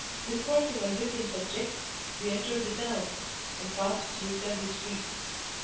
Discoursing on different subjects, we entered the town, and passed through several streets.